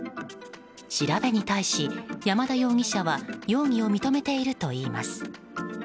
調べに対し山田容疑者は容疑を認めているといいます。